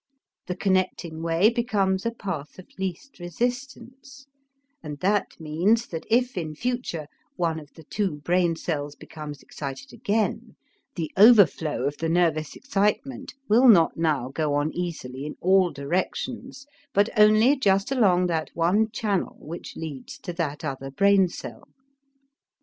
The connecting way becomes a path of least resistance, and that means that if, in future, one of the two brain cells becomes excited again, the overflow of the nervous excitement will not now go on easily in all directions, but only just along that one channel which leads to that other brain cell.